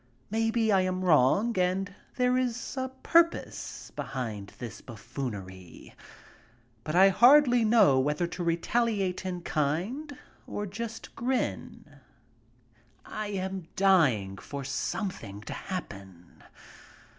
Maybe I am wrong and there is a purpose behind this buffoonery. But I hardly know whether to retaliate in kind, or just grin. I am dying for something to happen.